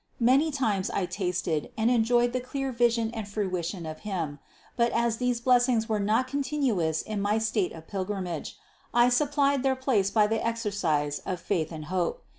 Many times I tasted and enjoyed the clear vision and fruition of Him; but as these blessings were not contin uous in my state of pilgrimage, I supplied their place by the exercise of faith and hope.